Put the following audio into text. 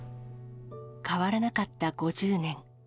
変わらなかった５０年。